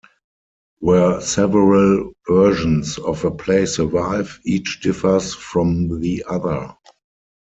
Where several versions of a play survive, each differs from the other.